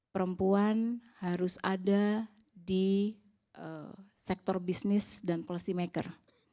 perempuan harus ada di sektor bisnis dan policy maker